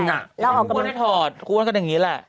ควรก็ได้ถอดควรก็ได้อย่างนี้แหละ